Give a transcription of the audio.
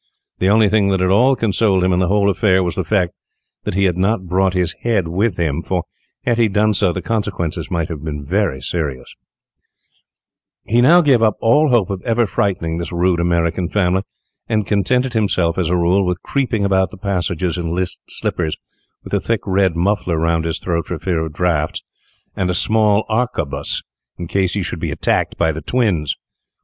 The only thing that at all consoled him in the whole affair was the fact that he had not brought his head with him, for, had he done so, the consequences might have been very serious. [Illustration: "MAKING SATIRICAL REMARKS ON THE PHOTOGRAPHS"] He now gave up all hope of ever frightening this rude American family, and contented himself, as a rule, with creeping about the passages in list slippers, with a thick red muffler round his throat for fear of draughts, and a small arquebuse, in case he should be attacked by the twins.